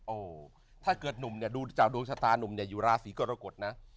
ถ้าเกิดหนุ่มเนี่ยดูจากดวงชะตานุ่มเนี่ยอยู่ราศีกรกฎนะ